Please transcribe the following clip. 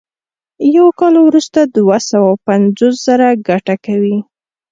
یو کال وروسته دوه سوه پنځوس زره ګټه کوي